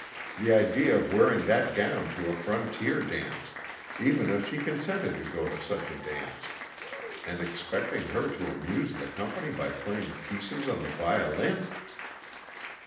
The idea of wearing that gown to a frontier dance even if she consented to go to such a dance! And expecting her to amuse the company by playing "pieces" on the violin!